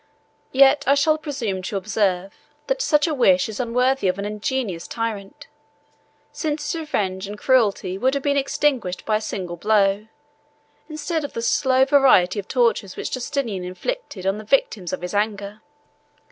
Yet I shall presume to observe, that such a wish is unworthy of an ingenious tyrant, since his revenge and cruelty would have been extinguished by a single blow, instead of the slow variety of tortures which Justinian inflicted on the victims of his anger.